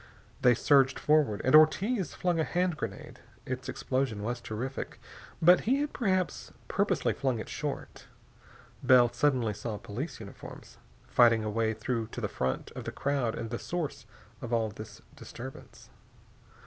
They surged forward and Ortiz flung a hand grenade. Its explosion was terrific, but he had perhaps purposely flung it short. Bell suddenly saw police uniforms, fighting a way through to the front of the crowd and the source of all this disturbance.